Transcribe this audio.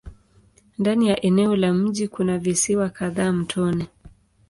Ndani ya eneo la mji kuna visiwa kadhaa mtoni.